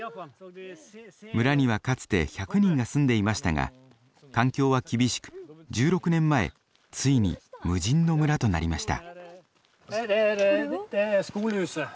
村にはかつて１００人が住んでいましたが環境は厳しく１６年前ついに無人の村となりました。